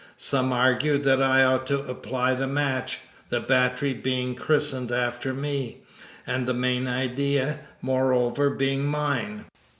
Some argued that I ought to apply the match, the battery being christened after me, and the main idea, moreover, being mine.